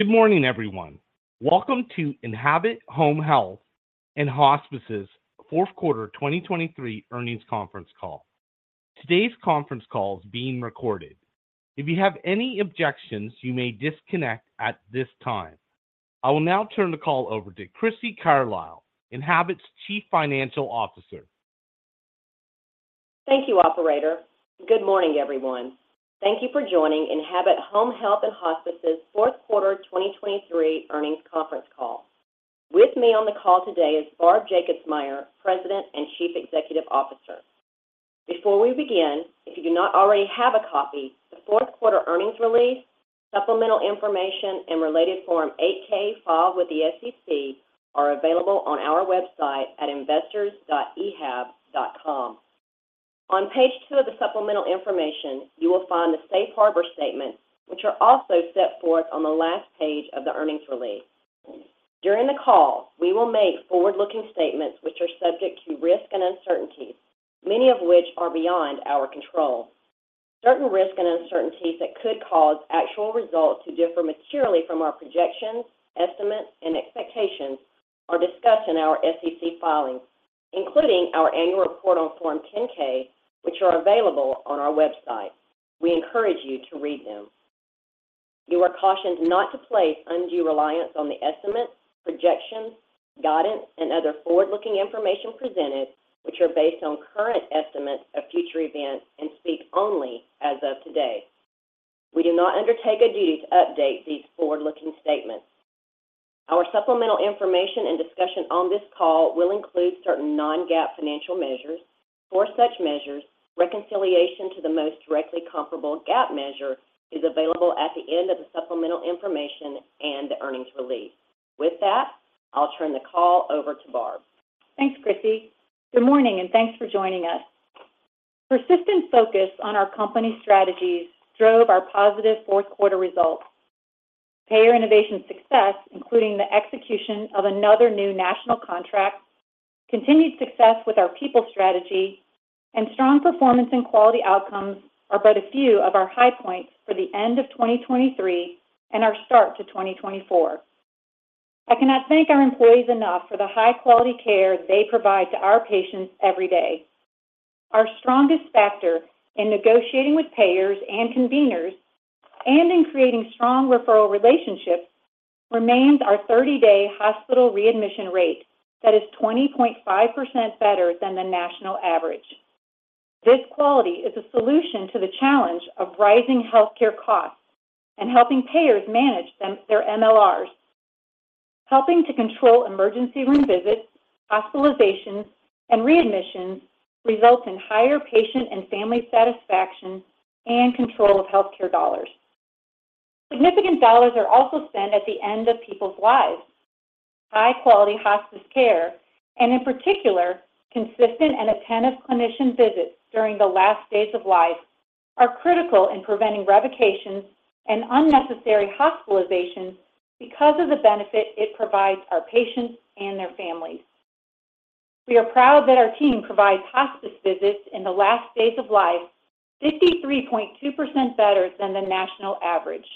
Good morning, everyone. Welcome to Enhabit Home Health and Hospice's fourth quarter 2023 earnings conference call. Today's conference call is being recorded. If you have any objections, you may disconnect at this time. I will now turn the call over to Crissy Carlisle, Enhabit's Chief Financial Officer. Thank you, operator. Good morning, everyone. Thank you for joining Enhabit Home Health & Hospice's fourth quarter 2023 earnings conference call. With me on the call today is Barb Jacobsmeyer, President and Chief Executive Officer. Before we begin, if you do not already have a copy, the fourth quarter earnings release, supplemental information, and related Form 8-K filed with the SEC are available on our website at investors.enhabit.com. On page two of the supplemental information, you will find the safe harbor statements, which are also set forth on the last page of the earnings release. During the call, we will make forward-looking statements which are subject to risk and uncertainties, many of which are beyond our control. Certain risks and uncertainties that could cause actual results to differ materially from our projections, estimates, and expectations are discussed in our SEC filings, including our annual report on Form 10-K, which are available on our website. We encourage you to read them. You are cautioned not to place undue reliance on the estimates, projections, guidance, and other forward-looking information presented, which are based on current estimates of future events and speak only as of today. We do not undertake a duty to update these forward-looking statements. Our supplemental information and discussion on this call will include certain non-GAAP financial measures. For such measures, reconciliation to the most directly comparable GAAP measure is available at the end of the supplemental information and the earnings release. With that, I'll turn the call over to Barb. Thanks, Crissy. Good morning, and thanks for joining us. Persistent focus on our company strategies drove our positive fourth quarter results. payer innovation success, including the execution of another new national contract, continued success with our people strategy, and strong performance and quality outcomes are but a few of our high points for the end of 2023 and our start to 2024. I cannot thank our employees enough for the high-quality care they provide to our patients every day. Our strongest factor in negotiating with payers and conveners and in creating strong referral relationships remains our 30-day hospital readmission rate that is 20.5% better than the national average. This quality is a solution to the challenge of rising healthcare costs and helping payers manage their MLRs. Helping to control emergency room visits, hospitalizations, and readmissions results in higher patient and family satisfaction and control of healthcare dollars. Significant dollars are also spent at the end of people's lives. High-quality hospice care, and in particular, consistent and attentive clinician visits during the last days of life, are critical in preventing revocations and unnecessary hospitalizations because of the benefit it provides our patients and their families. We are proud that our team provides hospice visits in the last days of life 53.2% better than the national average.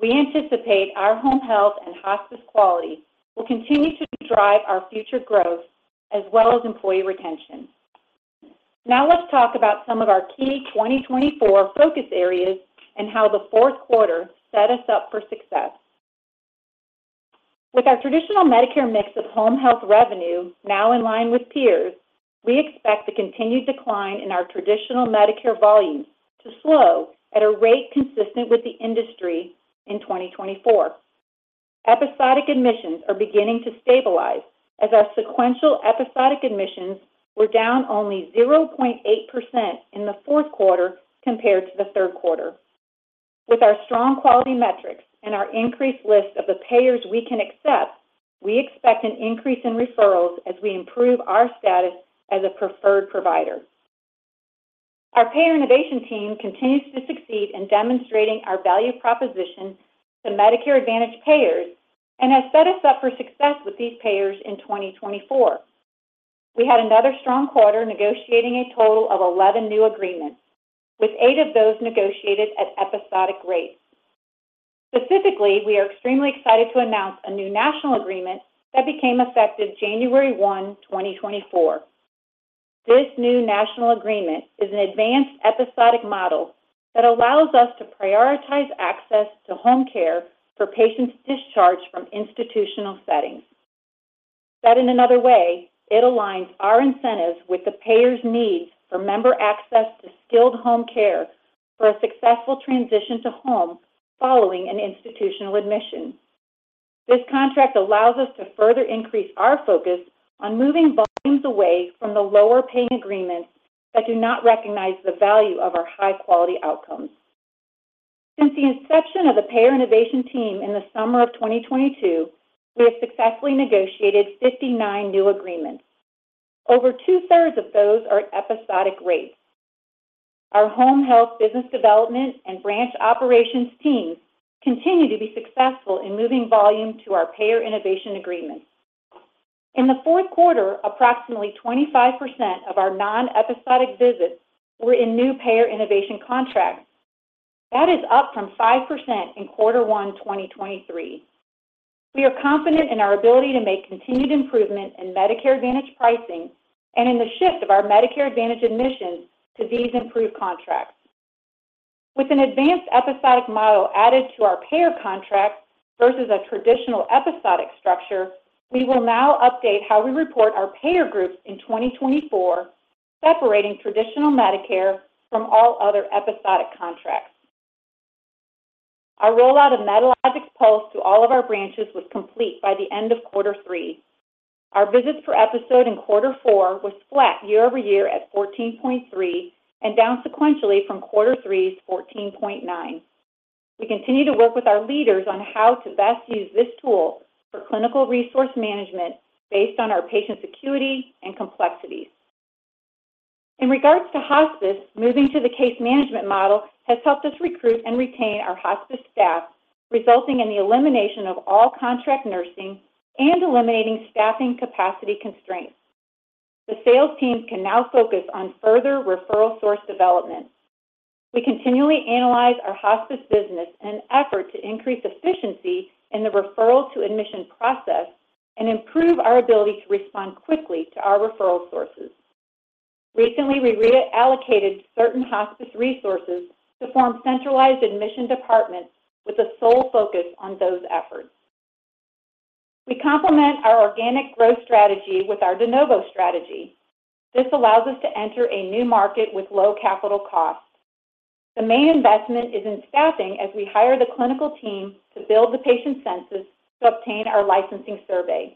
We anticipate our home health and hospice quality will continue to drive our future growth as well as employee retention. Now let's talk about some of our key 2024 focus areas and how the fourth quarter set us up for success. With our traditional medicare mix of home health revenue now in line with peers, we expect the continued decline in our traditional medicare volumes to slow at a rate consistent with the industry in 2024. Episodic admissions are beginning to stabilize as our sequential episodic admissions were down only 0.8% in the fourth quarter compared to the third quarter. With our strong quality metrics and our increased list of the payers we can accept, we expect an increase in referrals as we improve our status as a preferred provider. Our payer innovation team continues to succeed in demonstrating our value proposition to Medicare Advantage payers and has set us up for success with these payers in 2024. We had another strong quarter negotiating a total of 11 new agreements, with eight of those negotiated at episodic rates. Specifically, we are extremely excited to announce a new national agreement that became effective January 1, 2024. This new national agreement is an advanced episodic model that allows us to prioritize access to home care for patients discharged from institutional settings. Said in another way, it aligns our incentives with the payers' needs for member access to skilled home care for a successful transition to home following an institutional admission. This contract allows us to further increase our focus on moving volumes away from the lower-paying agreements that do not recognize the value of our high-quality outcomes. Since the inception of the payer innovation team in the summer of 2022, we have successfully negotiated 59 new agreements. Over 2/3 of those are at episodic rates. Our home health business development and branch operations teams continue to be successful in moving volume to our payer innovation agreements. In the fourth quarter, approximately 25% of our non-episodic visits were in new payer innovation contracts. That is up from 5% in quarter one, 2023. We are confident in our ability to make continued improvement in Medicare Advantage pricing and in the shift of our Medicare Advantage admissions to these improved contracts. With an advanced episodic model added to our payer contracts versus a traditional episodic structure, we will now update how we report our payer groups in 2024, separating traditional Medicare from all other episodic contracts. Our rollout of Medalogix Pulse to all of our branches was complete by the end of quarter three. Our visits per episode in quarter four was flat year-over-year at 14.3 and down sequentially from quarter three 14.9. We continue to work with our leaders on how to best use this tool for clinical resource management based on our patient's acuity and complexities. In regards to hospice, moving to the case management model has helped us recruit and retain our hospice staff, resulting in the elimination of all contract nursing and eliminating staffing capacity constraints. The sales teams can now focus on further referral source development. We continually analyze our hospice business in an effort to increase efficiency in the referral-to-admission process and improve our ability to respond quickly to our referral sources. Recently, we reallocated certain hospice resources to form centralized admission departments with a sole focus on those efforts. We complement our organic growth strategy with our de novos strategy. This allows us to enter a new market with low capital costs. The main investment is in staffing as we hire the clinical team to build the patient census to obtain our licensing survey.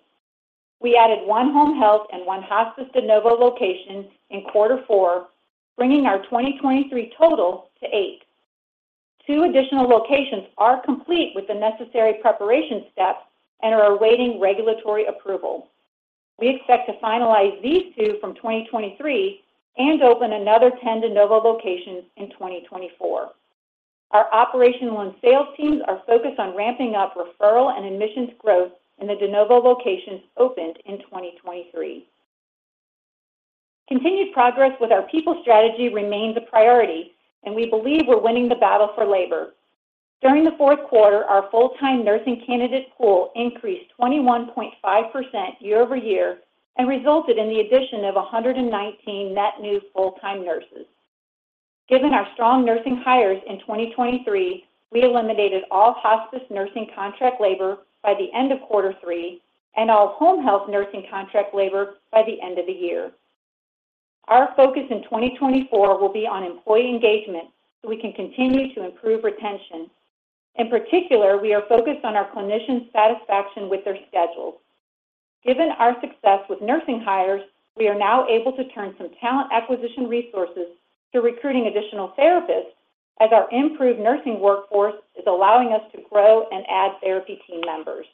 We added one home health and 1 hospice de novos location in quarter four, bringing our 2023 total to eight. Two additional locations are complete with the necessary preparation steps and are awaiting regulatory approval. We expect to finalize these two from 2023 and open another 10 de novos locations in 2024. Our operational and sales teams are focused on ramping up referral and admissions growth in the de novos locations opened in 2023. Continued progress with our people strategy remains a priority, and we believe we're winning the battle for labor. During the fourth quarter, our full-time nursing candidate pool increased 21.5% year-over-year and resulted in the addition of 119 net new full-time nurses. Given our strong nursing hires in 2023, we eliminated all hospice nursing contract labor by the end of quarter three and all home health nursing contract labor by the end of the year. Our focus in 2024 will be on employee engagement so we can continue to improve retention. In particular, we are focused on our clinicians' satisfaction with their schedules. Given our success with nursing hires, we are now able to turn some talent acquisition resources to recruiting additional therapists as our improved nursing workforce is allowing us to grow and add therapy team members.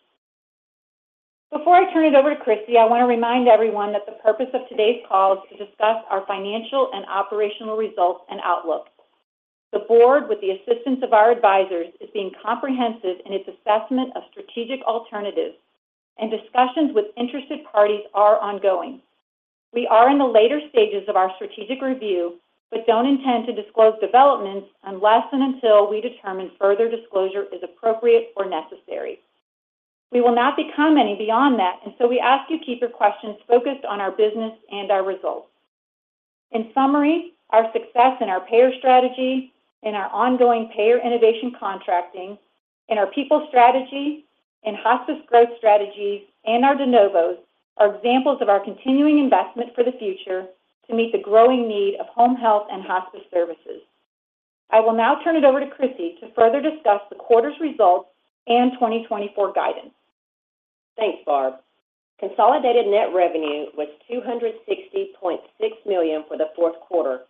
Before I turn it over to Crissy, I want to remind everyone that the purpose of today's call is to discuss our financial and operational results and outlook. The board, with the assistance of our advisors, is being comprehensive in its assessment of strategic alternatives, and discussions with interested parties are ongoing. We are in the later stages of our strategic review but don't intend to disclose developments unless and until we determine further disclosure is appropriate or necessary. We will not be commenting beyond that, and so we ask you keep your questions focused on our business and our results. In summary, our success in our payer strategy, in our ongoing payer innovation contracting, in our people strategy, in hospice growth strategies, and our de novos are examples of our continuing investment for the future to meet the growing need of home health and hospice services. I will now turn it over to Crissy to further discuss the quarter's results and 2024 guidance. Thanks, Barb. Consolidated net revenue was $260.6 million for the fourth quarter,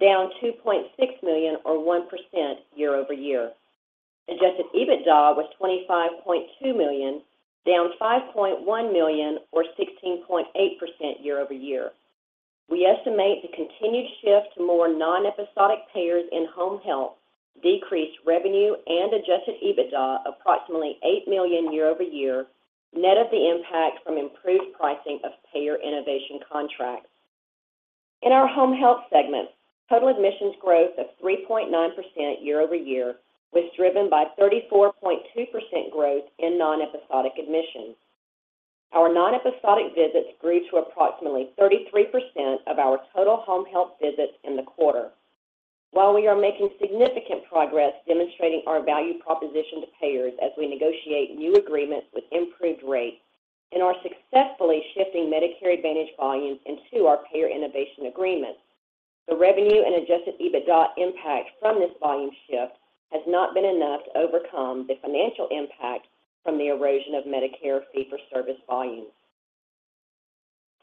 down $2.6 million or 1% year-over-year. Adjusted EBITDA was $25.2 million, down $5.1 million or 16.8% year-over-year. We estimate the continued shift to more non-episodic payers in home health decreased revenue and adjusted EBITDA approximately $8 million year-over-year, net of the impact from improved pricing of payer innovation contracts. In our home health segment, total admissions growth of 3.9% year-over-year was driven by 34.2% growth in non-episodic admissions. Our non-episodic visits grew to approximately 33% of our total home health visits in the quarter. While we are making significant progress demonstrating our value proposition to payers as we negotiate new agreements with improved rates and are successfully shifting Medicare Advantage volumes into our payer innovation agreements, the revenue and Adjusted EBITDA impact from this volume shift has not been enough to overcome the financial impact from the erosion of Medicare fee-for-service volumes.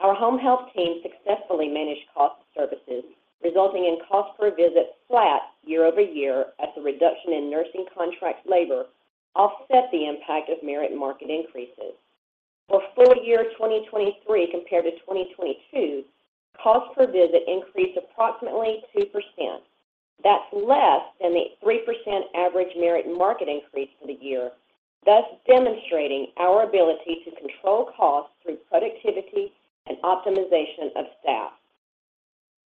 Our home health team successfully managed cost of services, resulting in cost per visit flat year-over-year as the reduction in nursing contract labor offset the impact of merit market increases. For full year 2023 compared to 2022, cost per visit increased approximately 2%. That's less than the 3% average merit market increase for the year, thus demonstrating our ability to control costs through productivity and optimization of staff.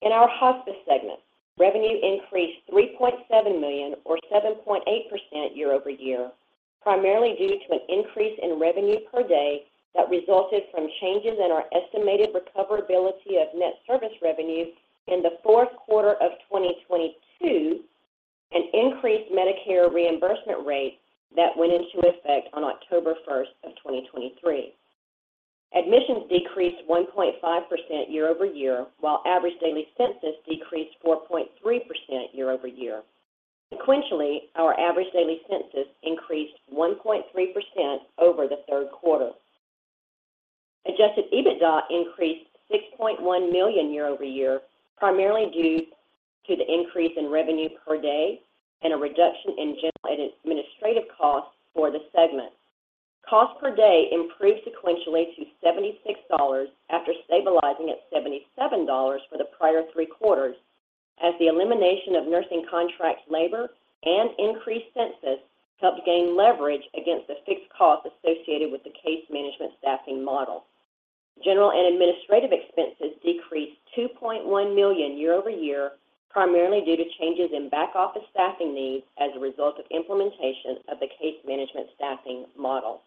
In our hospice segment, revenue increased $3.7 million or 7.8% year-over-year, primarily due to an increase in revenue per day that resulted from changes in our estimated recoverability of net service revenue in the fourth quarter of 2022 and increased Medicare reimbursement rates that went into effect on October 1st of 2023. Admissions decreased 1.5% year-over-year while average daily census decreased 4.3% year-over-year. Sequentially, our average daily census increased 1.3% over the third quarter. Adjusted EBITDA increased $6.1 million year-over-year, primarily due to the increase in revenue per day and a reduction in general administrative costs for the segment. Cost per day improved sequentially to $76 after stabilizing at $77 for the prior three quarters as the elimination of nursing contract labor and increased census helped gain leverage against the fixed costs associated with the case management staffing model. General and administrative expenses decreased $2.1 million year-over-year, primarily due to changes in back-office staffing needs as a result of implementation of the case management staffing model.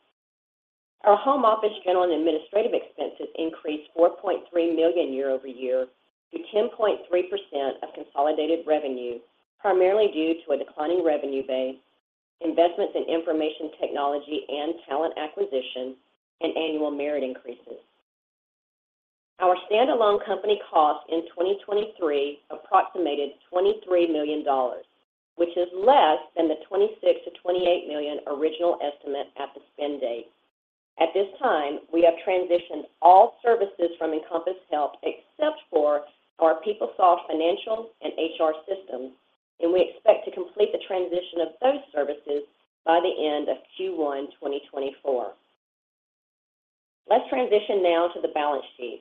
Our home office general and administrative expenses increased $4.3 million year-over-year to 10.3% of consolidated revenue, primarily due to a declining revenue base, investments in information technology and talent acquisition, and annual merit increases. Our standalone company cost in 2023 approximated $23 million, which is less than the $26 million-$28 million original estimate at the spend date. At this time, we have transitioned all services from Encompass Health except for our PeopleSoft financial and HR systems, and we expect to complete the transition of those services by the end of Q1 2024. Let's transition now to the balance sheet.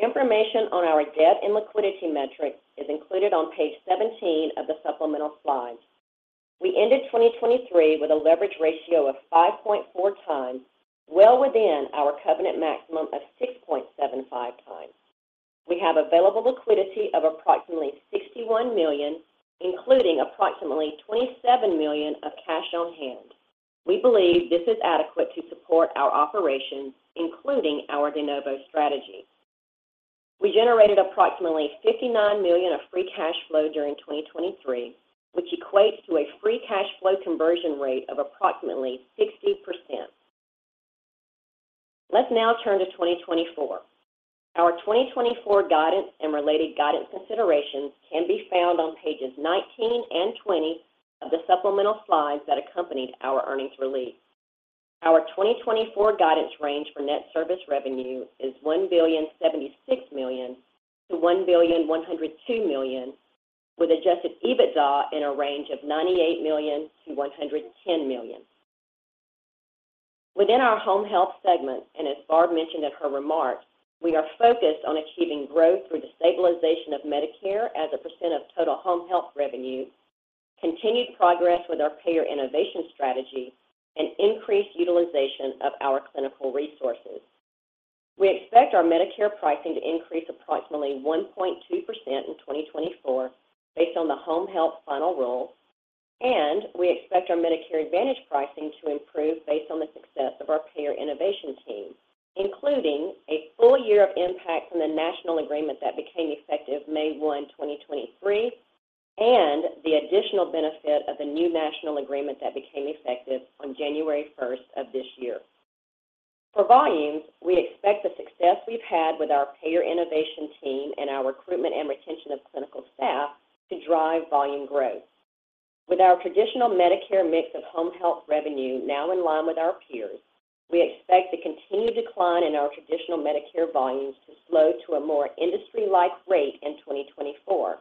Information on our debt and liquidity metrics is included on page 17 of the supplemental slides. We ended 2023 with a leverage ratio of 5.4x, well within our covenant maximum of 6.75x We have available liquidity of approximately $61 million, including approximately $27 million of cash on hand. We believe this is adequate to support our operations, including our de novos strategy. We generated approximately $59 million of free cash flow during 2023, which equates to a free cash flow conversion rate of approximately 60%. Let's now turn to 2024. Our 2024 guidance and related guidance considerations can be found on pages 19 and 20 of the supplemental slides that accompanied our earnings release. Our 2024 guidance range for net service revenue is $1.076 billion-$1.102 billion, with adjusted EBITDA in a range of $98 million-$110 million. Within our home health segment, and as Barb mentioned in her remarks, we are focused on achieving growth through the stabilization of Medicare as a percent of total home health revenue, continued progress with our Payer Innovation strategy, and increased utilization of our clinical resources. We expect our Medicare pricing to increase approximately 1.2% in 2024 based on the Home Health Final Rule, and we expect our Medicare Advantage pricing to improve based on the success of our payer innovation team, including a full year of impact from the national agreement that became effective May 1, 2023, and the additional benefit of the new national agreement that became effective on January 1st of this year. For volumes, we expect the success we've had with our payer innovation team and our recruitment and retention of clinical staff to drive volume growth. With our Traditional Medicare mix of home health revenue now in line with our peers, we expect the continued decline in our Traditional Medicare volumes to slow to a more industry-like rate in 2024,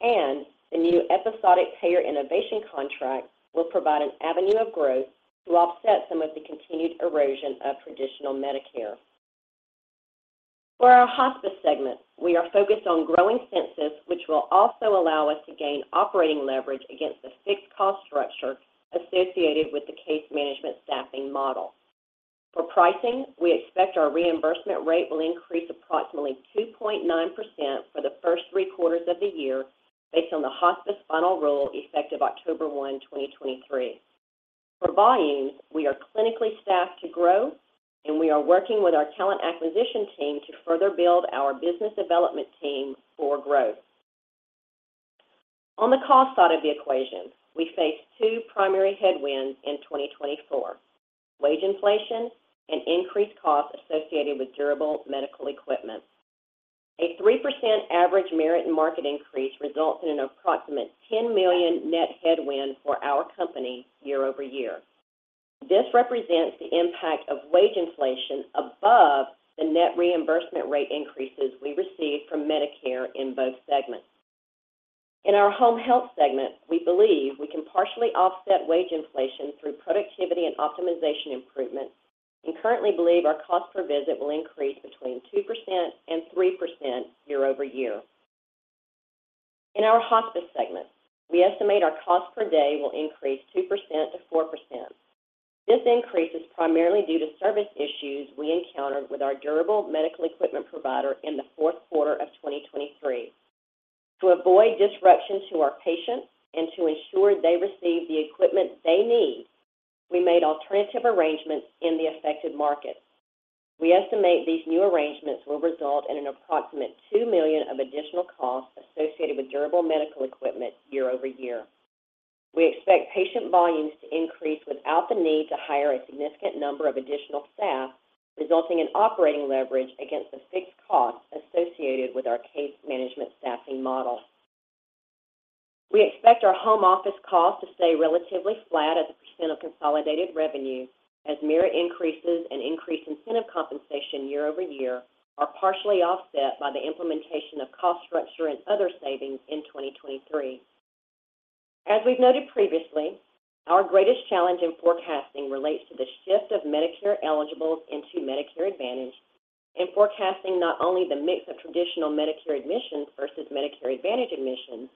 and the new Episodic Payer Innovation contract will provide an avenue of growth to offset some of the continued erosion of Traditional Medicare. For our hospice segment, we are focused on growing census, which will also allow us to gain operating leverage against the fixed cost structure associated with the Case Management staffing model. For pricing, we expect our reimbursement rate will increase approximately 2.9% for the first three quarters of the year based on the Hospice Final Rule effective October 1, 2023. For volumes, we are clinically staffed to grow, and we are working with our talent acquisition team to further build our business development team for growth. On the cost side of the equation, we face two primary headwinds in 2024: wage inflation and increased costs associated with durable medical equipment. A 3% average merit and market increase results in an approximate $10 million net headwind for our company year-over-year. This represents the impact of wage inflation above the net reimbursement rate increases we received from Medicare in both segments. In our home health segment, we believe we can partially offset wage inflation through productivity and optimization improvements and currently believe our cost per visit will increase between 2% and 3% year-over-year. In our hospice segment, we estimate our cost per day will increase 2%-4%. This increase is primarily due to service issues we encountered with our durable medical equipment provider in the fourth quarter of 2023. To avoid disruption to our patients and to ensure they receive the equipment they need, we made alternative arrangements in the affected markets. We estimate these new arrangements will result in an approximate $2 million of additional costs associated with durable medical equipment year-over-year. We expect patient volumes to increase without the need to hire a significant number of additional staff, resulting in operating leverage against the fixed costs associated with our case management staffing model. We expect our home office costs to stay relatively flat as a percent of consolidated revenue as merit increases and increased incentive compensation year-over-year are partially offset by the implementation of cost structure and other savings in 2023. As we've noted previously, our greatest challenge in forecasting relates to the shift of Medicare eligibles into Medicare Advantage and forecasting not only the mix of traditional Medicare admissions versus Medicare Advantage admissions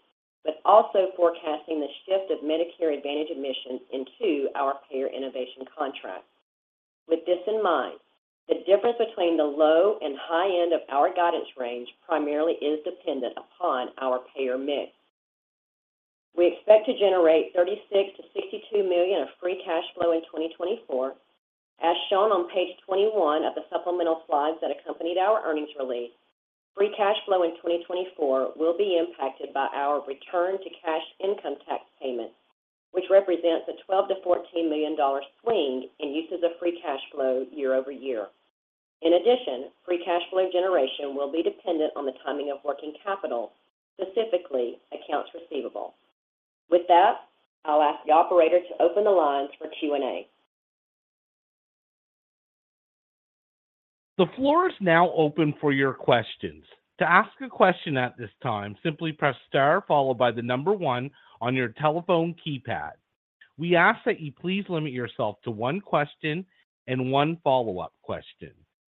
but also forecasting the shift of Medicare Advantage admissions into our payer innovation contract. With this in mind, the difference between the low and high end of our guidance range primarily is dependent upon our payer mix. We expect to generate $36 million-$62 million of free cash flow in 2024. As shown on page 21 of the supplemental slides that accompanied our earnings release, free cash flow in 2024 will be impacted by our return to cash income tax payments, which represents a $12 million-$14 million dollar swing in uses of free cash flow year-over-year. In addition, free cash flow generation will be dependent on the timing of working capital, specifically accounts receivable. With that, I'll ask the operator to open the lines for Q&A. The floor is now open for your questions. To ask a question at this time, simply press star followed by the number one on your telephone keypad. We ask that you please limit yourself to one question and one follow-up question,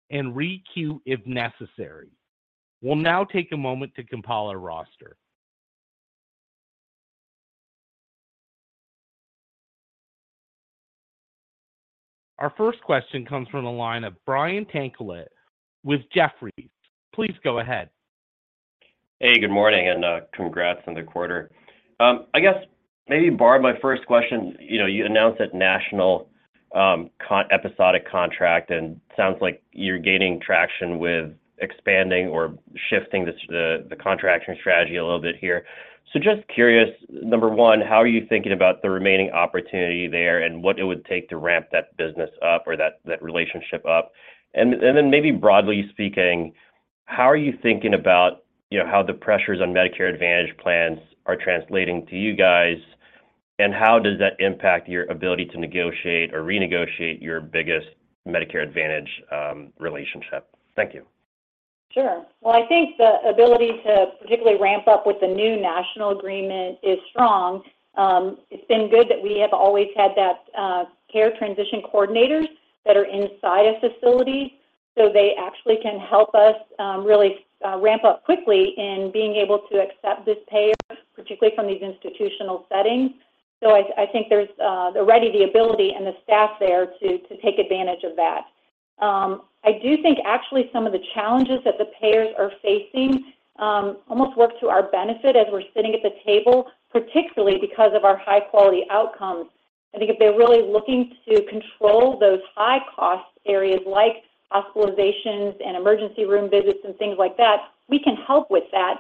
and re-queue if necessary. We'll now take a moment to compile our roster. Our first question comes from the line of Brian Tanquilut with Jefferies. Please go ahead. Hey, good morning, and congrats on the quarter. I guess maybe, Barb, my first question, you announced that national episodic contract and sounds like you're gaining traction with expanding or shifting the contracting strategy a little bit here. So just curious, number one, how are you thinking about the remaining opportunity there and what it would take to ramp that business up or that relationship up? And then maybe broadly speaking, how are you thinking about how the pressures on Medicare Advantage plans are translating to you guys, and how does that impact your ability to negotiate or renegotiate your biggest Medicare Advantage relationship? Thank you. Sure. Well, I think the ability to particularly ramp up with the new national agreement is strong. It's been good that we have always had that care transition coordinators that are inside a facility so they actually can help us really ramp up quickly in being able to accept this payer, particularly from these institutional settings. So I think there's already the ability and the staff there to take advantage of that. I do think actually some of the challenges that the payers are facing almost work to our benefit as we're sitting at the table, particularly because of our high-quality outcomes. I think if they're really looking to control those high-cost areas like hospitalizations and emergency room visits and things like that, we can help with that,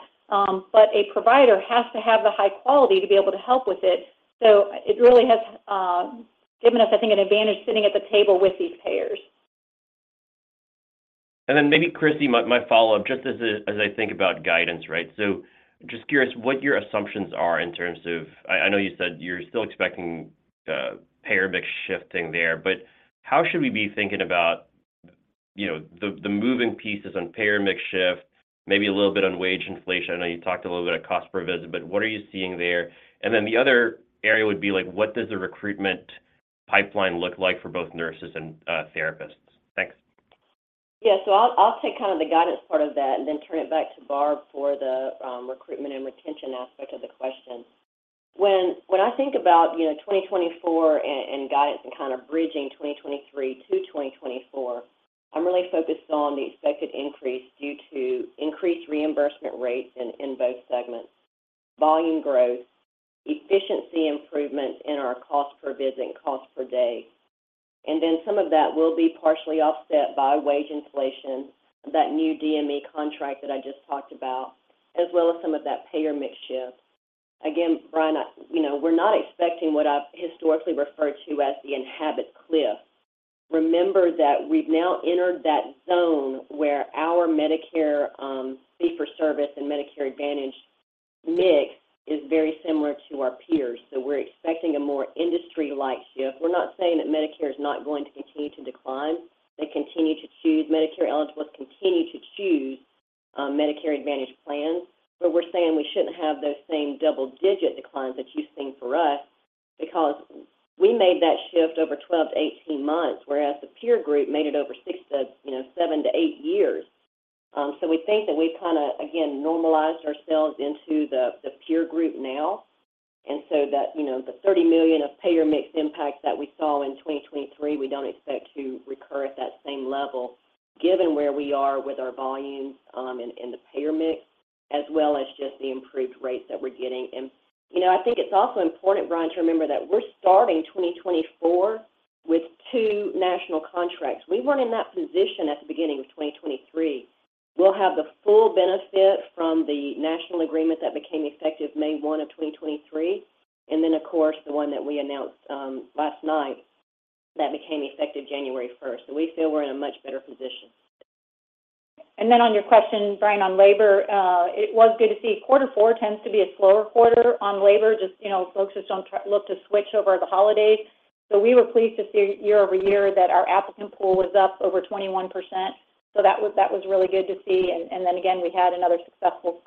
but a provider has to have the high quality to be able to help with it. It really has given us, I think, an advantage sitting at the table with these payers. And then maybe, Crissy, my follow-up, just as I think about guidance, right? So just curious what your assumptions are in terms of I know you said you're still expecting payer mix shifting there, but how should we be thinking about the moving pieces on payer mix shift, maybe a little bit on wage inflation? I know you talked a little bit about cost per visit, but what are you seeing there? And then the other area would be what does the recruitment pipeline look like for both nurses and therapists? Thanks. Yeah. So I'll take kind of the guidance part of that and then turn it back to Barb for the recruitment and retention aspect of the question. When I think about 2024 and guidance and kind of bridging 2023 to 2024, I'm really focused on the expected increase due to increased reimbursement rates in both segments, volume growth, efficiency improvements in our cost per visit and cost per day. And then some of that will be partially offset by wage inflation, that new DME contract that I just talked about, as well as some of that payer mix shift. Again, Brian, we're not expecting what I've historically referred to as the Enhabit cliff. Remember that we've now entered that zone where our Medicare fee-for-service and Medicare Advantage mix is very similar to our peers. So we're expecting a more industry-like shift. We're not saying that Medicare is not going to continue to decline. They continue to choose Medicare eligibles, continue to choose Medicare Advantage plans, but we're saying we shouldn't have those same double-digit declines that you've seen for us because we made that shift over 12 months-18 months, whereas the peer group made it over seven years-eight years. So we think that we've kind of, again, normalized ourselves into the peer group now. And so the $30 million of payer mix impact that we saw in 2023, we don't expect to recur at that same level given where we are with our volumes in the payer mix as well as just the improved rates that we're getting. And I think it's also important, Brian, to remember that we're starting 2024 with two national contracts. We weren't in that position at the beginning of 2023. We'll have the full benefit from the national agreement that became effective May 1 of 2023 and then, of course, the one that we announced last night that became effective January 1st. So we feel we're in a much better position. And then on your question, Brian, on labor, it was good to see quarter four tends to be a slower quarter on labor, just folks just don't look to switch over the holidays. So we were pleased to see year-over-year that our applicant pool was up over 21%. So that was really good to see. And then again, we had another successful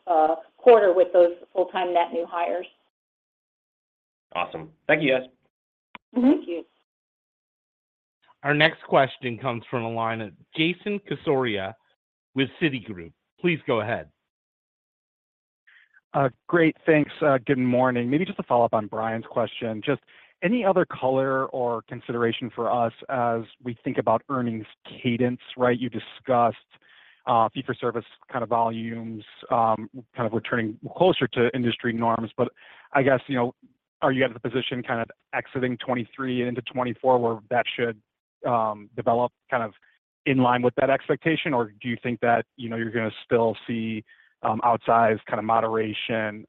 quarter with those full-time net new hires. Awesome. Thank you. Thank you. Our next question comes from a line of Jason Cassorla with Citigroup. Please go ahead. Great. Thanks. Good morning. Maybe just a follow-up on Brian's question. Just any other color or consideration for us as we think about earnings cadence, right? You discussed fee-for-service kind of volumes, kind of returning closer to industry norms, but I guess are you at the position kind of exiting 2023 and into 2024 where that should develop kind of in line with that expectation, or do you think that you're going to still see outsize kind of moderation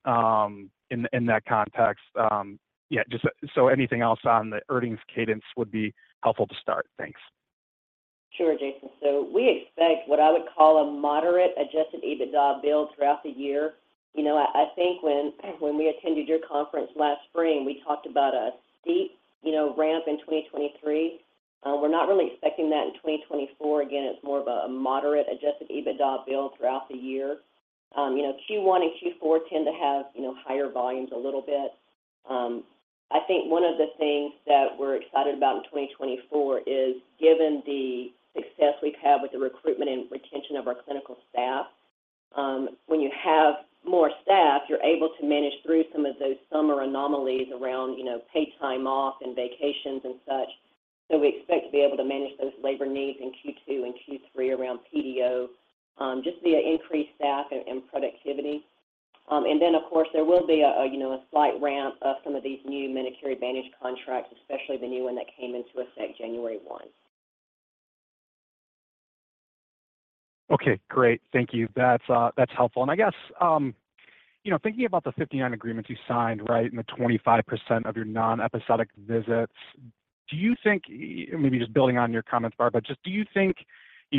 in that context? Yeah. So anything else on the earnings cadence would be helpful to start. Thanks. Sure, Jason. So we expect what I would call a moderate Adjusted EBITDA build throughout the year. I think when we attended your conference last spring, we talked about a steep ramp in 2023. We're not really expecting that in 2024. Again, it's more of a moderate Adjusted EBITDA build throughout the year. Q1 and Q4 tend to have higher volumes a little bit. I think one of the things that we're excited about in 2024 is given the success we've had with the recruitment and retention of our clinical staff, when you have more staff, you're able to manage through some of those summer anomalies around paid time off and vacations and such. So we expect to be able to manage those labor needs in Q2 and Q3 around PTO just via increased staff and productivity. And then, of course, there will be a slight ramp of some of these new Medicare Advantage contracts, especially the new one that came into effect January 1. Okay. Great. Thank you. That's helpful. I guess thinking about the 59 agreements you signed, right, and the 25% of your non-episodic visits, do you think maybe just building on your comments, Barb, but just do you think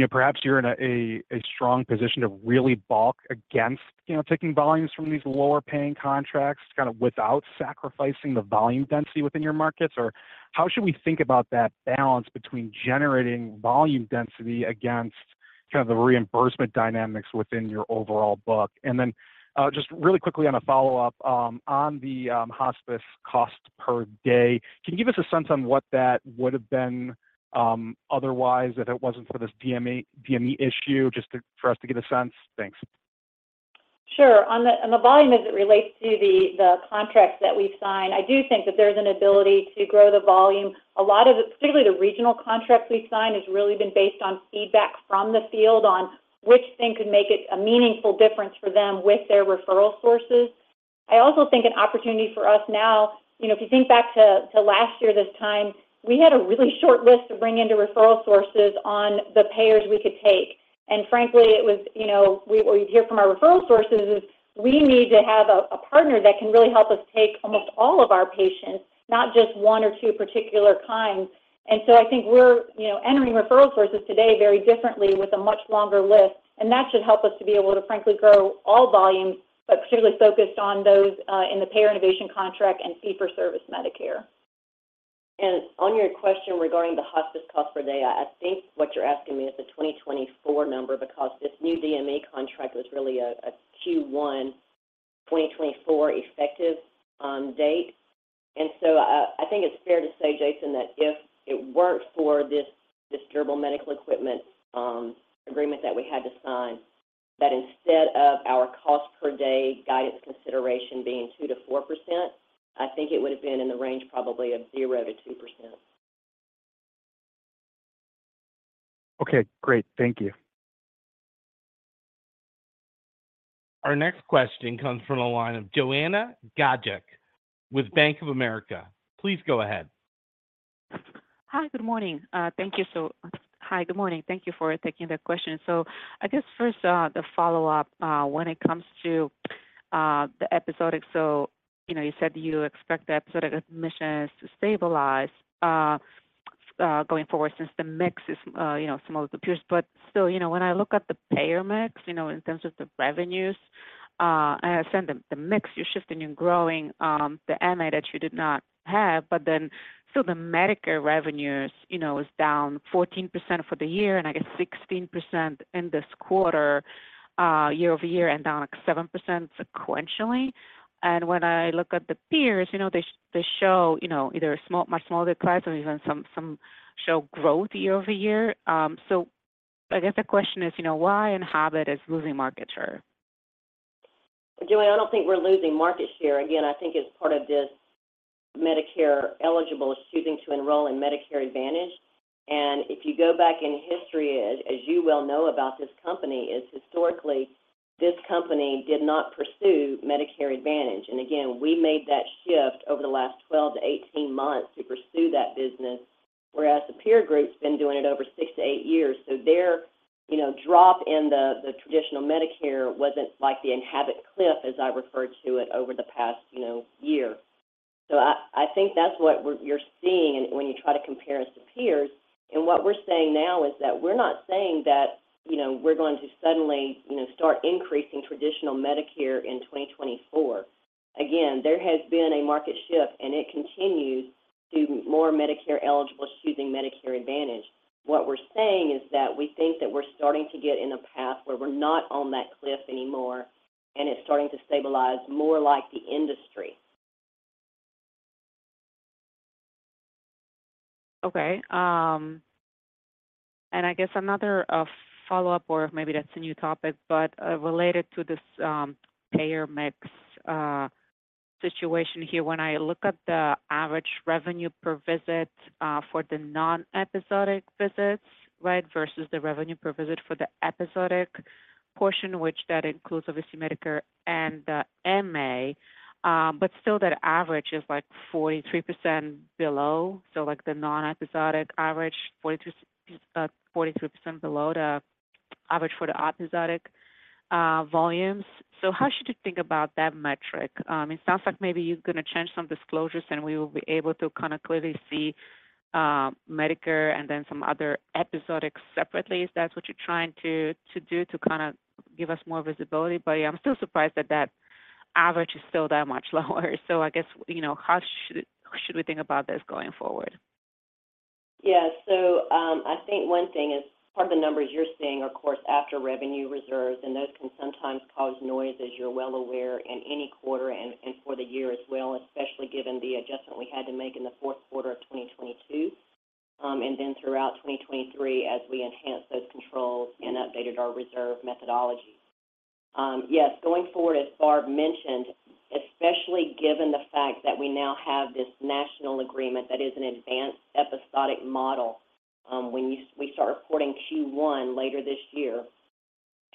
perhaps you're in a strong position to really bulwark against taking volumes from these lower-paying contracts kind of without sacrificing the volume density within your markets, or how should we think about that balance between generating volume density against kind of the reimbursement dynamics within your overall book? And then just really quickly on a follow-up, on the hospice cost per day, can you give us a sense on what that would have been otherwise if it wasn't for this DME issue just for us to get a sense? Thanks. Sure. On the volume as it relates to the contracts that we've signed, I do think that there's an ability to grow the volume. A lot of it, particularly the regional contracts we've signed, has really been based on feedback from the field on which thing could make a meaningful difference for them with their referral sources. I also think an opportunity for us now, if you think back to last year this time, we had a really short list to bring into referral sources on the payers we could take. And frankly, what we'd hear from our referral sources is we need to have a partner that can really help us take almost all of our patients, not just one or two particular kinds. So I think we're entering referral sources today very differently with a much longer list, and that should help us to be able to, frankly, grow all volumes, but particularly focused on those in the Payer Innovation contract and fee-for-service Medicare. On your question regarding the hospice cost per day, I think what you're asking me is the 2024 number because this new DME contract was really a Q1 2024 effective date. So I think it's fair to say, Jason, that if it weren't for this durable medical equipment agreement that we had to sign, that instead of our cost per day guidance consideration being 2%-4%, I think it would have been in the range probably of 0%-2%. Okay. Great. Thank you. Our next question comes from a line of Joanna Gajuk with Bank of America. Please go ahead. Hi. Good morning. Thank you. So hi. Good morning. Thank you for taking that question. So I guess first, the follow-up when it comes to the episodic. So you said you expect the episodic admissions to stabilize going forward since the mix is some of the peers. But still, when I look at the payer mix in terms of the revenues, and I assume the mix, you're shifting and growing the MA that you did not have, but then still the Medicare revenues is down 14% for the year and I guess 16% in this quarter, year-over-year, and down 7% sequentially. And when I look at the peers, they show either much smaller class or even some show growth year-over-year. So I guess the question is why Enhabit is losing market share? Joanna, I don't think we're losing market share. Again, I think it's part of this Medicare eligible choosing to enroll in Medicare Advantage. And if you go back in history, as you well know about this company, historically, this company did not pursue Medicare Advantage. And again, we made that shift over the last 12 months-18 months to pursue that business, whereas the peer group's been doing it over six to eight years. So their drop in the traditional Medicare wasn't the Enhabit cliff, as I refer to it, over the past year. So I think that's what you're seeing when you try to compare us to peers. And what we're saying now is that we're not saying that we're going to suddenly start increasing traditional Medicare in 2024. Again, there has been a market shift, and it continues to more Medicare eligibles choosing Medicare Advantage. What we're saying is that we think that we're starting to get in a path where we're not on that cliff anymore, and it's starting to stabilize more like the industry. Okay. I guess another follow-up or maybe that's a new topic, but related to this payer mix situation here, when I look at the average revenue per visit for the non-episodic visits, right, versus the revenue per visit for the episodic portion, which that includes, obviously, Medicare and the MA, but still that average is 43% below. The non-episodic average, 43% below the average for the episodic volumes. How should you think about that metric? It sounds like maybe you're going to change some disclosures, and we will be able to kind of clearly see Medicare and then some other episodics separately. Is that what you're trying to do to kind of give us more visibility? Yeah, I'm still surprised that that average is still that much lower. I guess how should we think about this going forward? Yeah. So I think one thing is part of the numbers you're seeing, of course, after revenue reserves, and those can sometimes cause noise, as you're well aware, in any quarter and for the year as well, especially given the adjustment we had to make in the fourth quarter of 2022 and then throughout 2023 as we enhanced those controls and updated our reserve methodology. Yes, going forward, as Barb mentioned, especially given the fact that we now have this national agreement that is an Advanced Episodic Model, when we start reporting Q1 later this year,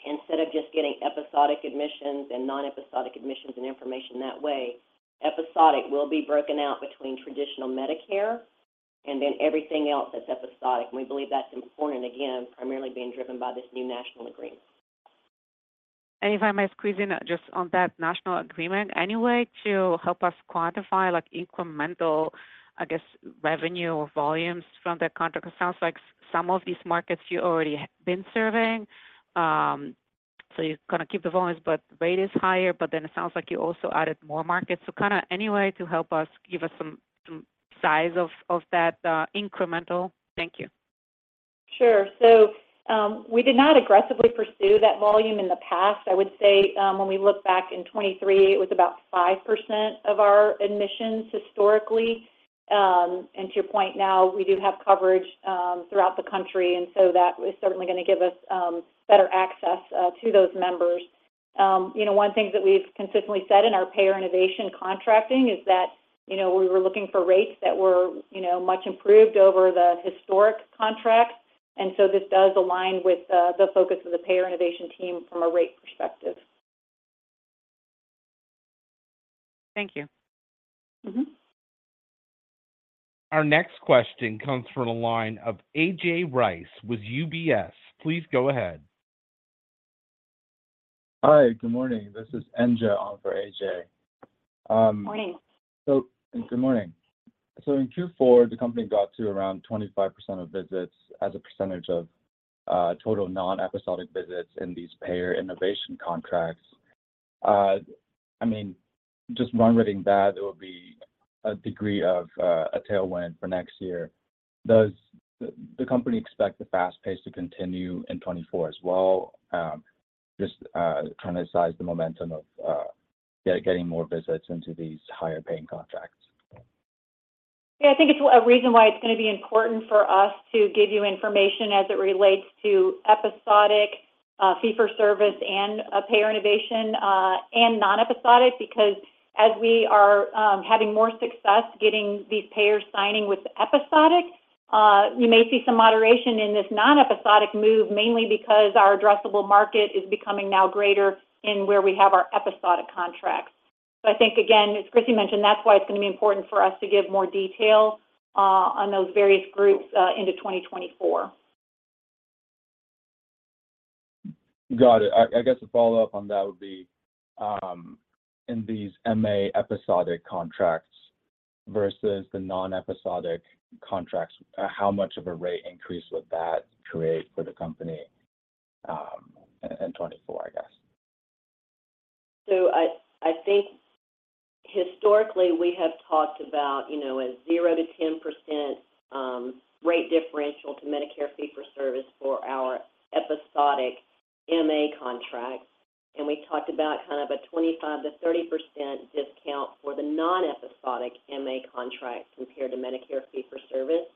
instead of just getting episodic admissions and non-episodic admissions and information that way, episodic will be broken out between Traditional Medicare and then everything else that's episodic. We believe that's important, again, primarily being driven by this new national agreement. If I may squeeze in just on that national agreement anyway to help us quantify incremental, I guess, revenue or volumes from that contract, it sounds like some of these markets you've already been serving. So you kind of keep the volumes, but rate is higher, but then it sounds like you also added more markets. So kind of anyway to help us give some size of that incremental. Thank you. Sure. So we did not aggressively pursue that volume in the past. I would say when we look back in 2023, it was about 5% of our admissions historically. And to your point, now we do have coverage throughout the country, and so that is certainly going to give us better access to those members. One thing that we've consistently said in our Payer Innovation contracting is that we were looking for rates that were much improved over the historic contracts. And so this does align with the focus of the Payer Innovation team from a rate perspective. Thank you. Our next question comes from a line of A.J. Rice with UBS. Please go ahead. Hi. Good morning. This is Enjia on for A.J.. Morning. Good morning. In Q4, the company got to around 25% of visits as a percentage of total non-episodic visits in these payer innovation contracts. I mean, just run-rating that, it would be a degree of a tailwind for next year. Does the company expect the fast pace to continue in 2024 as well? Just trying to size the momentum of getting more visits into these higher-paying contracts. Yeah. I think it's a reason why it's going to be important for us to give you information as it relates to episodic fee-for-service and payer innovation and non-episodic because as we are having more success getting these payers signing with episodic, you may see some moderation in this non-episodic move mainly because our addressable market is becoming now greater in where we have our episodic contracts. So I think, again, as Crissy mentioned, that's why it's going to be important for us to give more detail on those various groups into 2024. Got it. I guess a follow-up on that would be in these MA episodic contracts versus the non-episodic contracts, how much of a rate increase would that create for the company in 2024, I guess? So I think historically, we have talked about a 0%-10% rate differential to Medicare fee-for-service for our episodic MA contracts, and we talked about kind of a 25%-30% discount for the non-episodic MA contract compared to Medicare fee-for-service.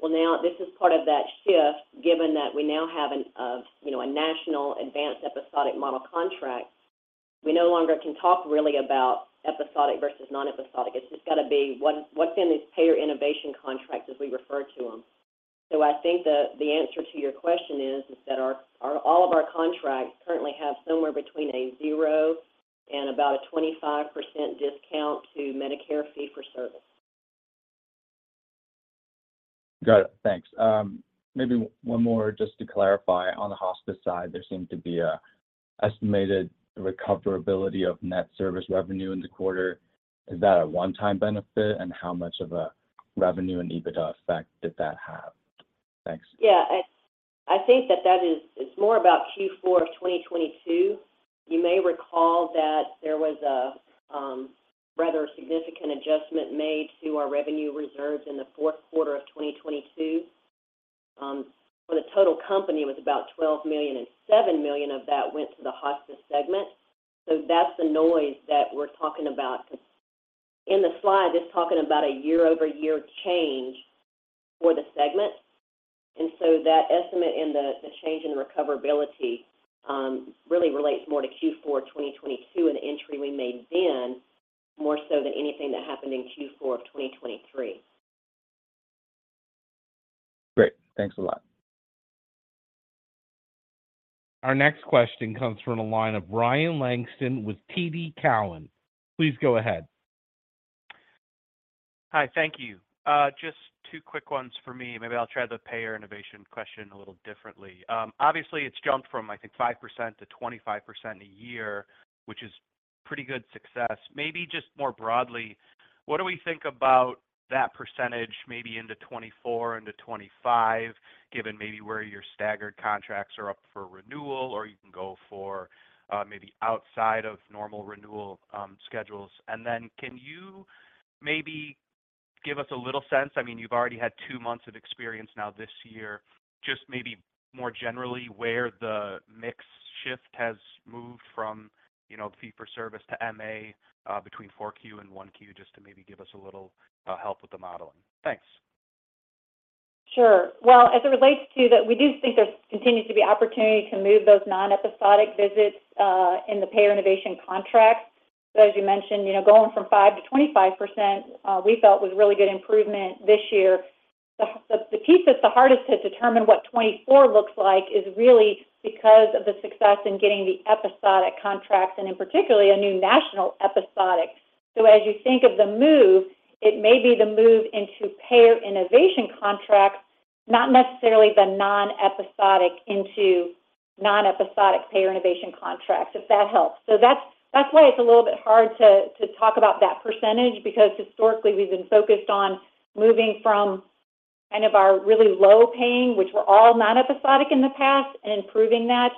Well, now this is part of that shift. Given that we now have a national advanced episodic model contract, we no longer can talk really about episodic versus non-episodic. It's just got to be what's in these payer innovation contracts as we refer to them. So I think the answer to your question is that all of our contracts currently have somewhere between a 0% and about a 25% discount to Medicare fee-for-service. Got it. Thanks. Maybe one more just to clarify. On the hospice side, there seemed to be an estimated recoverability of net service revenue in the quarter. Is that a one-time benefit, and how much of a revenue and EBITDA effect did that have? Thanks. Yeah. I think that that is more about Q4 of 2022. You may recall that there was a rather significant adjustment made to our revenue reserves in the fourth quarter of 2022. For the total company, it was about $12 million, and $7 million of that went to the hospice segment. So that's the noise that we're talking about. In the slide, it's talking about a year-over-year change for the segment. And so that estimate and the change in recoverability really relates more to Q4 of 2022 and the entry we made then more so than anything that happened in Q4 of 2023. Great. Thanks a lot. Our next question comes from a line of Ryan Langston with TD Cowen. Please go ahead. Hi. Thank you. Just two quick ones for me. Maybe I'll try the payer innovation question a little differently. Obviously, it's jumped from, I think, 5% to 25% a year, which is pretty good success. Maybe just more broadly, what do we think about that percentage maybe into 2024 into 2025 given maybe where your staggered contracts are up for renewal, or you can go for maybe outside of normal renewal schedules? And then can you maybe give us a little sense? I mean, you've already had two months of experience now this year. Just maybe more generally, where the mix shift has moved from fee-for-service to MA between 4Q and 1Q just to maybe give us a little help with the modeling. Thanks. Sure. Well, as it relates to that, we do think there continues to be opportunity to move those non-Episodic visits in the Payer Innovation contracts. So as you mentioned, going from 5% to 25%, we felt was really good improvement this year. The piece that's the hardest to determine what 2024 looks like is really because of the success in getting the Episodic contracts and, in particular, a new national Episodic. So as you think of the move, it may be the move into Payer Innovation contracts, not necessarily the non-Episodic into non-Episodic Payer Innovation contracts, if that helps. So that's why it's a little bit hard to talk about that percentage because historically, we've been focused on moving from kind of our really low-paying, which were all non-episodic in the past, and improving that,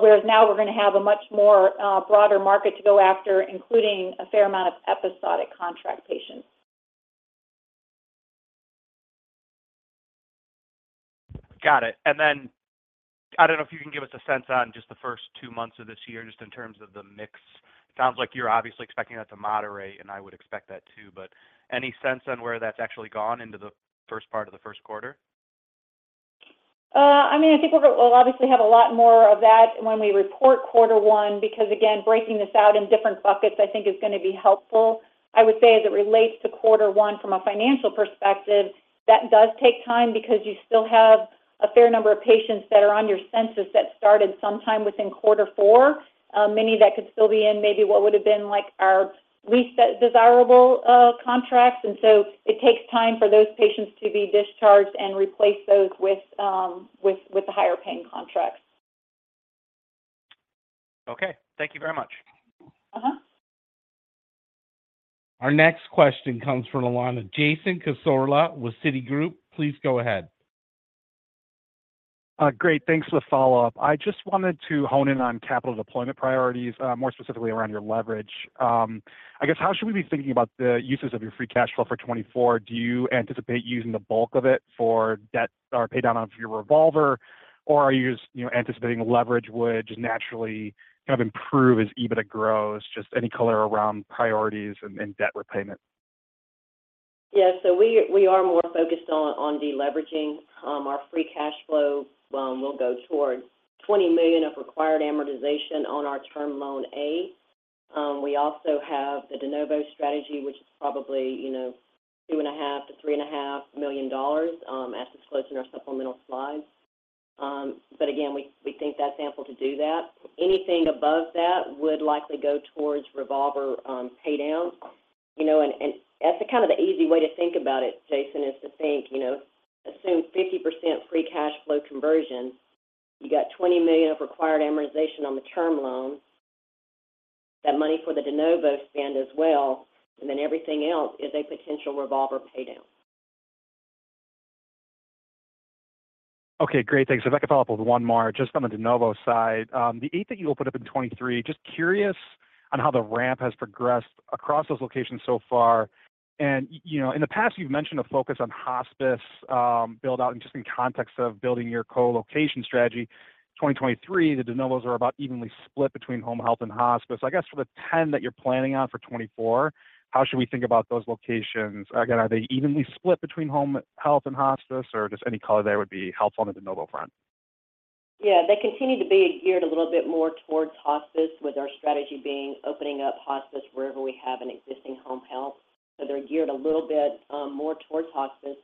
whereas now we're going to have a much more broader market to go after, including a fair amount of episodic contract patients. Got it. And then I don't know if you can give us a sense on just the first two months of this year just in terms of the mix. It sounds like you're obviously expecting that to moderate, and I would expect that too. But any sense on where that's actually gone into the first part of the first quarter? I mean, I think we'll obviously have a lot more of that when we report quarter one because, again, breaking this out in different buckets, I think, is going to be helpful. I would say as it relates to quarter one from a financial perspective, that does take time because you still have a fair number of patients that are on your census that started sometime within quarter four, many that could still be in maybe what would have been our least desirable contracts. And so it takes time for those patients to be discharged and replace those with the higher-paying contracts. Okay. Thank you very much. Our next question comes from a line of Jason Cassorla with Citigroup. Please go ahead. Great. Thanks for the follow-up. I just wanted to hone in on capital deployment priorities, more specifically around your leverage. I guess how should we be thinking about the uses of your free cash flow for 2024? Do you anticipate using the bulk of it for paydown off your revolver, or are you just anticipating leverage would just naturally kind of improve as EBITDA grows, just any color around priorities and debt repayment? Yeah. So we are more focused on deleveraging. Our free cash flow will go toward $20 million of required amortization on our term loan A. We also have the de novo strategy, which is probably $2.5 million-$3.5 million as disclosed in our supplemental slides. But again, we think that's ample to do that. Anything above that would likely go towards revolver paydowns. And that's kind of the easy way to think about it, Jason, is to think assume 50% free cash flow conversion. You got $20 million of required amortization on the term loan, that money for the de novo spend as well, and then everything else is a potential revolver paydown. Okay. Great. Thanks. If I could follow up with one more, just on the de novo side. The de novos that you will put up in 2023, just curious on how the ramp has progressed across those locations so far. And in the past, you've mentioned a focus on hospice buildout just in context of building your co-location strategy. 2023, the de novos are about evenly split between home health and hospice. I guess for the 10 that you're planning on for 2024, how should we think about those locations? Again, are they evenly split between home health and hospice, or just any color there would be helpful on the de novo front? Yeah. They continue to be geared a little bit more towards hospice, with our strategy being opening up hospice wherever we have an existing home health. So they're geared a little bit more towards hospice.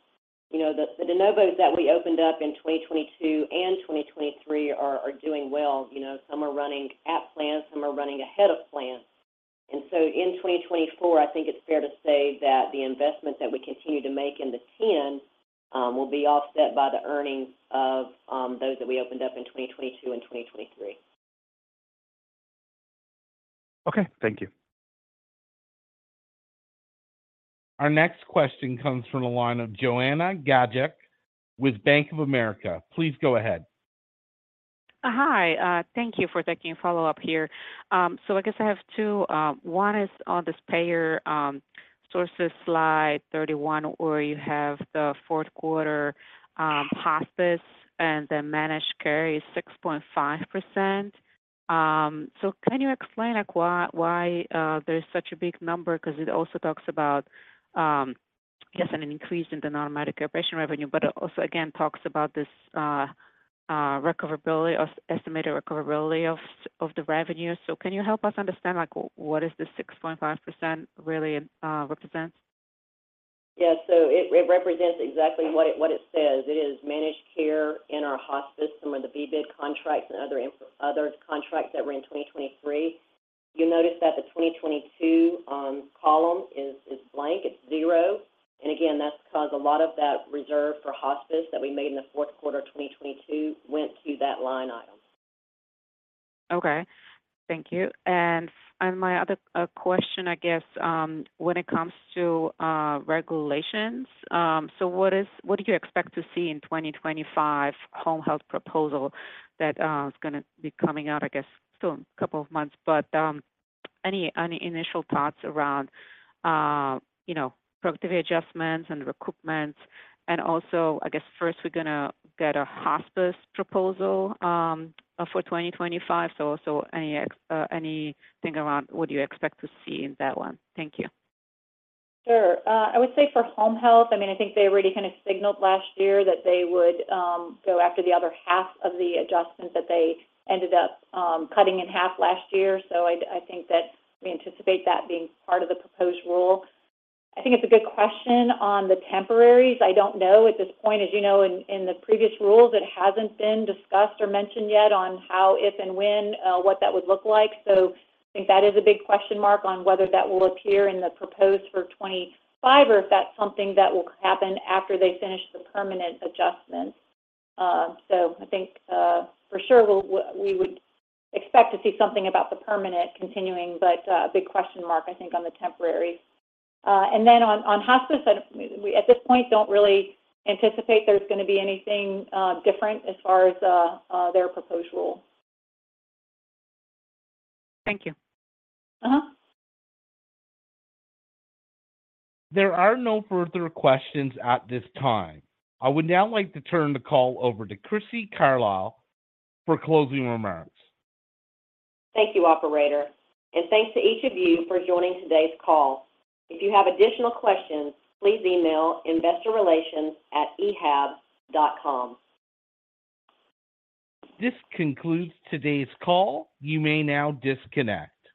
The de novos that we opened up in 2022 and 2023 are doing well. Some are running at plan. Some are running ahead of plan. And so in 2024, I think it's fair to say that the investment that we continue to make in the 10 will be offset by the earnings of those that we opened up in 2022 and 2023. Okay. Thank you. Our next question comes from a line of Joanna Gajuk with Bank of America. Please go ahead. Hi. Thank you for taking a follow-up here. So I guess I have two. One is on this payer sources Slide 31, where you have the fourth quarter hospice and then managed care is 6.5%. So can you explain why there's such a big number? Because it also talks about, yes, an increase in the non-Medicare operational revenue, but it also, again, talks about this estimated recoverability of the revenue. So can you help us understand what this 6.5% really represents? Yeah. So it represents exactly what it says. It is managed care in our hospice, some of the VBID contracts, and other contracts that were in 2023. You'll notice that the 2022 column is blank. It's zero. And again, that's because a lot of that reserve for hospice that we made in the fourth quarter of 2022 went to that line item. Okay. Thank you. And my other question, I guess, when it comes to regulations, so what do you expect to see in 2025 home health proposal that's going to be coming out, I guess, still in a couple of months? But any initial thoughts around productivity adjustments and recoupments? And also, I guess, first, we're going to get a hospice proposal for 2025. So also anything around what do you expect to see in that one? Thank you. Sure. I would say for home health, I mean, I think they already kind of signaled last year that they would go after the other half of the adjustments that they ended up cutting in half last year. So I think that we anticipate that being part of the proposed rule. I think it's a good question on the temporaries. I don't know at this point. As you know, in the previous rules, it hasn't been discussed or mentioned yet on how, if, and when, what that would look like. So I think that is a big question mark on whether that will appear in the proposed for 2025 or if that's something that will happen after they finish the permanent adjustments. So I think for sure, we would expect to see something about the permanent continuing, but a big question mark, I think, on the temporaries. And then on hospice, at this point, don't really anticipate there's going to be anything different as far as their proposed rule. Thank you. There are no further questions at this time. I would now like to turn the call over to Crissy Carlisle for closing remarks. Thank you, operator. Thanks to each of you for joining today's call. If you have additional questions, please email investorrelations@ehab.com. This concludes today's call. You may now disconnect.